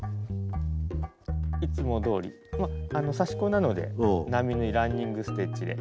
いつもどおりまあ刺し子なので並縫いランニング・ステッチで。